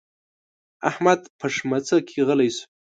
احمد په ښمڅه کې غلی شو.